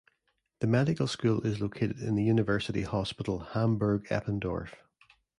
The medical school is located in the University Hospital Hamburg-Eppendorf.